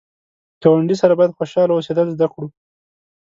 ګاونډي سره باید خوشحال اوسېدل زده کړو